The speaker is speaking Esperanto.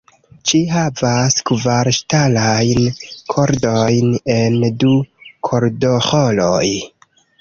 Ĝi havas kvar ŝtalajn kordojn en du kordoĥoroj.